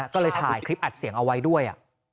ก็เลยถ่ายคลิปอัดเสียงเอาไว้ด้วย